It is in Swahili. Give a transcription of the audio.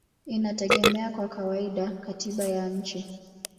inategemea kwa kawaida katiba ya nchi.